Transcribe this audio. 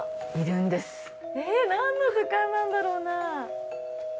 いるんですえっ何の図鑑なんだろうな？